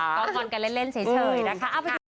ก็งอนกันเล่นเฉยนะคะ